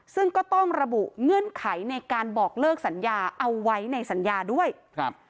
ซึ่งก็ต้องระบุเงื่อนไขในการบอกเลิกสัญญาเอาไว้ในสัญญาด้วยครับ